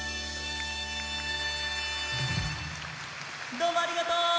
どうもありがとう！